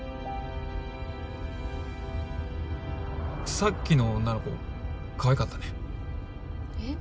さっきの女の子かわいかったねえっ？